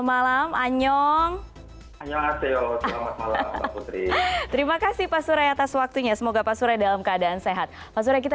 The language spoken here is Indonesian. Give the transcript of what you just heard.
malam anyong terima kasih pak surai atas waktunya semoga pasur dalam keadaan sehat pasalnya kita